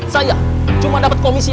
saya cuma dapat komisi tiga